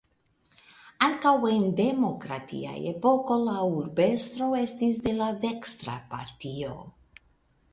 Ankaŭ en demokratia epoko la urbestro estis de la dekstra partio.